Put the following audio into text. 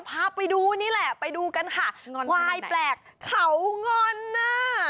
พาไปดูนี่แหละไปดูกันค่ะควายแปลกเขางอนน่ะ